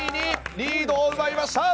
リードを奪いました。